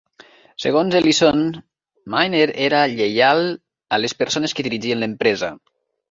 Segons Ellison, Miner era "lleial a les persones que dirigien l'empresa.